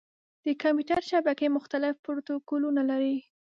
د کمپیوټر شبکې مختلف پروتوکولونه لري.